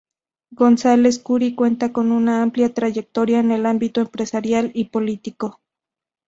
González Curi cuenta con una amplia trayectoria en el ámbito empresarial y político.